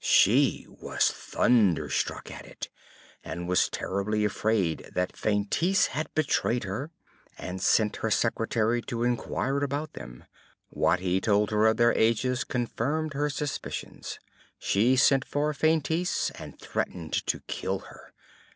She was thunderstruck at it, and was terribly afraid that Feintise had betrayed her, and sent her secretary to enquire about them. What he told her of their ages confirmed her suspicions. She sent for Feintise, and threatened to kill her.